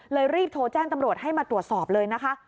รีบโทรแจ้งตำรวจให้มาตรวจสอบเลยนะคะ